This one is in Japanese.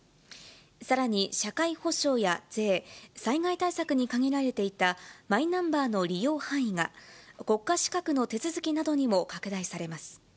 さらに社会保障や税、災害対策に限られていたマイナンバーの利用範囲が、国家資格の手続きなどにも拡大されます。